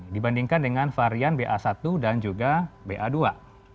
dibandingkan dengan varian ba satu dan juga ba dua